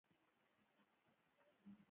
ځکه زموږ اخلاقي شهود په دې ګواهي ورکوي.